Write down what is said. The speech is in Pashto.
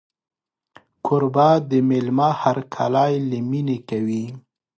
کوربه د مېلمه هرکلی له مینې کوي.